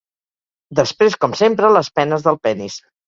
Després, com sempre, les penes del penis”.